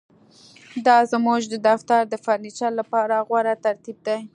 دا زموږ د دفتر د فرنیچر لپاره غوره ترتیب دی